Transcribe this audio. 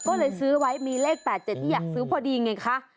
ก็เลยซื้อไว้มีเลข๘๗ที่อยากซื้อพอดีไงคะ